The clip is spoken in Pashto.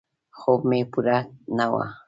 خوب مې پوره نه و.